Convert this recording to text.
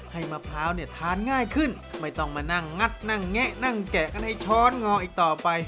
มะพร้าวเนี่ยทานง่ายขึ้นไม่ต้องมานั่งงัดนั่งแงะนั่งแกะกันให้ช้อนงออีกต่อไป